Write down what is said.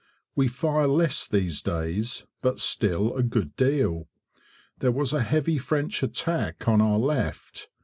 We fire less these days, but still a good deal. There was a heavy French attack on our left.